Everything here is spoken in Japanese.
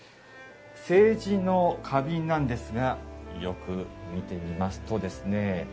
青磁の花瓶なんですがよく見てみますとですね